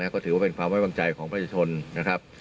ก็ถือว่าเป็นความไว้วางใจของประชาชนนะครับ